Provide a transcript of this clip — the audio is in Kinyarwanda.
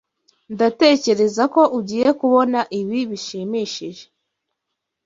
Ndatekereza ko ugiye kubona ibi bishimishije.